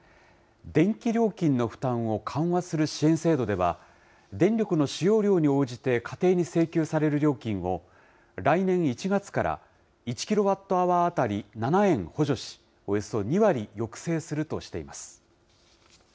電気料金の負担を緩和する支援制度では、電力の使用量に応じて家庭に請求される料金を、来年１月から１キロワットアワー当たり７円補助し、およそ２割抑制するとしています。